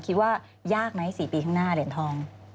คิดว่ายากไหม๔ปีข้างหน้าเหรียญทอง